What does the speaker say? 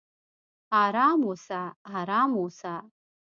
"ارام اوسه! ارام اوسه!"